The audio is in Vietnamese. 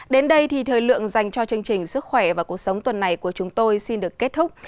đến đây thì thời lượng dành cho chương trình sức khỏe và cuộc sống tuần này của chúng tôi xin được kết thúc